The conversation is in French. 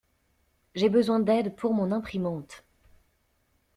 J'ai besoin d'aide pour mon imprimante.